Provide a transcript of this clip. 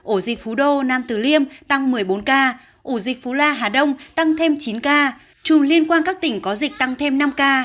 ổ dịch phú đô nam tử liêm tăng một mươi bốn ca ổ dịch phú la hà đông tăng thêm chín ca trùm liên quan các tỉnh có dịch tăng thêm năm ca